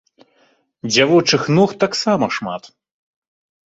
Дзявочых ног таксама шмат.